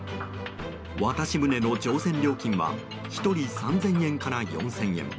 渡し舟の乗船料金は、１人３０００円から４００００円。